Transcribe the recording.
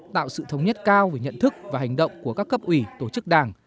tạo sự thống nhất cao về nhận thức và hành động của các cấp ủy tổ chức đảng